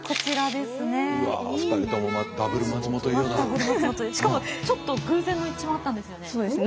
うわ２人ともしかもちょっと偶然の一致もあったんですよね。